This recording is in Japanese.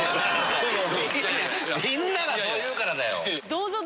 みんながそう言うからだよ。